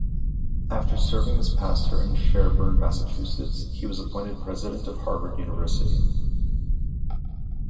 After serving as pastor in Sherborn, Massachusetts, he was appointed president of Harvard University.